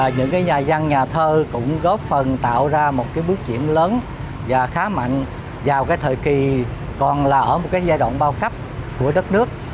những cái nhà dân nhà thơ cũng góp phần tạo ra một cái bước chuyển lớn và khá mạnh vào cái thời kỳ còn là ở một cái giai đoạn bao cấp của đất nước